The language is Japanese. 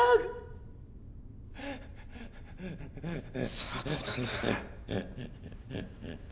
さあどうなんだ？